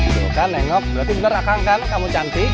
tuh kan nengok berarti bener akang kan kamu cantik